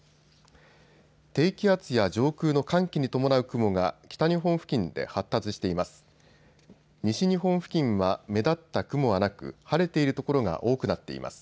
低気圧や上空の寒気に伴う雲が北日本付近で発達しています。